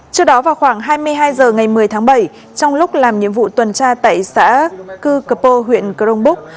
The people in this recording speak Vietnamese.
trước đó vào khoảng hai mươi hai h ngày một mươi tháng bảy trong lúc làm nhiệm vụ tuần tra tại xã cư cơ huyện crong búc